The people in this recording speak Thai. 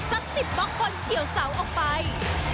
ติดบล็อกบอลเฉียวเสาออกไป